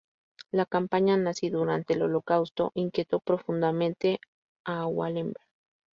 La campaña nazi, durante el Holocausto, inquietó profundamente a Wallenberg.